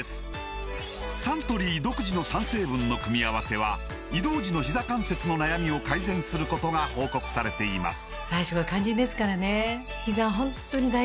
サントリー独自の３成分の組み合わせは移動時のひざ関節の悩みを改善することが報告されています